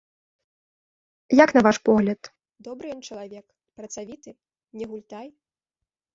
Як на ваш погляд, добры ён чалавек, працавіты, не гультай?